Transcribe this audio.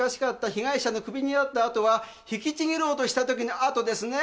被害者の首にあったあとは引きちぎろうとしたときのあとですね？